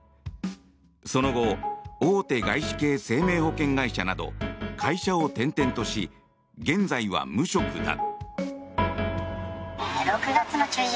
その後大手外資系生命保険会社など会社を転々とし現在は無職だ。